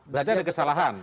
berarti ada kesalahan